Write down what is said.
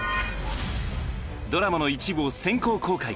ドラマの一部を先行公開。